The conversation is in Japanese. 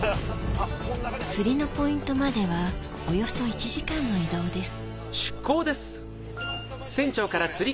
釣りのポイントまではおよそ１時間の移動です